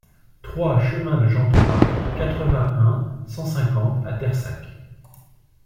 trois chemin de Jean Thomas, quatre-vingt-un, cent cinquante à Terssac